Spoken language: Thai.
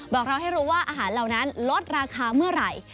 บอกเราให้รู้ว่าอาหารเหล่านั้นลดราคาเมื่อไหร่